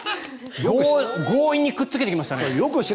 強引にくっつけてきましたね。